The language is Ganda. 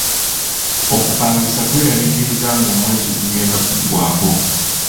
Okupangisa kweraliikiriza nga omwezi gugenda kuggwako.